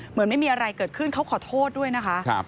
เหมือนไม่มีอะไรเกิดขึ้นเขาขอโทษด้วยนะคะ